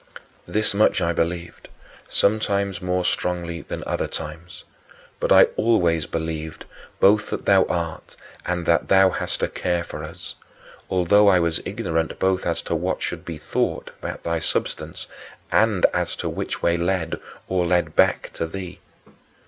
8. This much I believed, some times more strongly than other times. But I always believed both that thou art and that thou hast a care for us, although I was ignorant both as to what should be thought about thy substance and as to which way led, or led back, to thee.